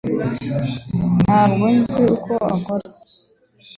Ntabwo nzi uko ikora